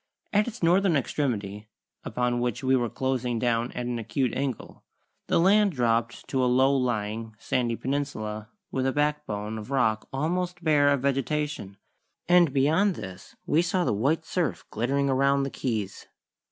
At its northern extremity, upon which we were closing down at an acute angle, the land dropped to a low lying, sandy peninsula with a backbone of rock almost bare of vegetation, and beyond this we saw the white surf glittering around the Keys.